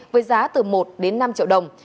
với giá từ một đến năm triệu đồng